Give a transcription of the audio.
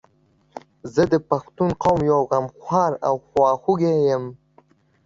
زه د پښتون قوم یو غمخوار او خواخوږی یم